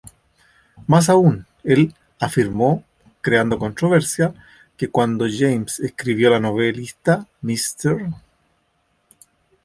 Más aún, el afirmó, creando controversia, que cuando James escribió a la novelista Mrs.